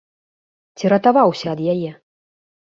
Ці ратаваўся ад яе?